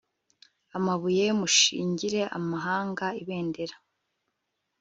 amabuye mushingire amahanga ibendera